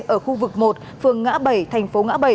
ở khu vực một phường ngã bảy thành phố ngã bảy